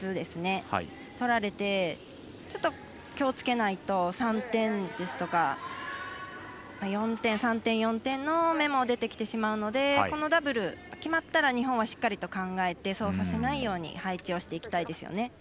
それがとられてちょっと気をつけないと３点ですとか、４点の目も出てきてしまうのでこのダブル決まったら日本はしっかりと考えてそうさせないように配置をしていきたいですね。